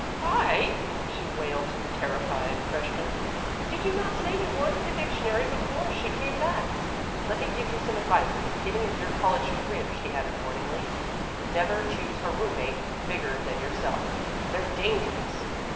"Why," she wailed to the terrified freshman, "did you not say you wanted a dictionary before she came back? Let me give you some advice at the beginning of your college career," she added warningly. "Never choose a room mate bigger than yourself. They're dangerous."